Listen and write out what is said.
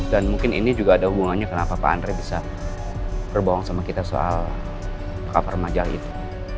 dan mungkin ini juga ada hubungannya kenapa pak andre bisa berbohong sama kita soal kapal remaja itu